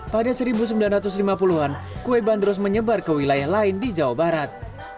pada seribu sembilan ratus lima puluh an kue bandros menyebar ke wilayah lain di jawa barat